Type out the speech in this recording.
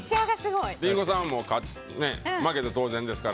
リンゴさんはもう負けて当然ですから。